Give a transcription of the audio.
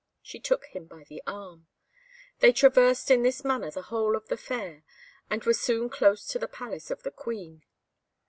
She took him by the arm. They traversed in this manner the whole of the Fair, and were soon close to the palace of the Queen.